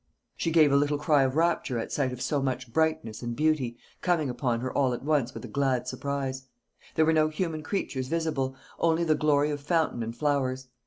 She gave a little cry of rapture at sight of so much brightness and beauty, coming upon her all at once with a glad surprise. There were no human creatures visible; only the glory of fountain and flowers.